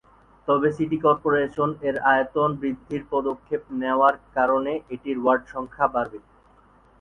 তবে city corporation এর আয়তন বৃদ্ধির পদক্ষেপ নেওয়ার কারণে এটির ওয়ার্ড সংখ্যা বাড়বে।